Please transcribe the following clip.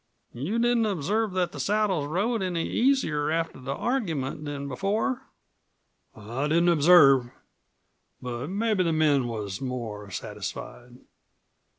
"You didn't observe that the saddles rode any easier after the argument than before?" "I didn't observe. But mebbe the men was more satisfied.